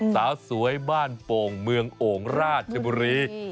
สาวสวยบ้านโป่งเมืองโอ่งราชบุรี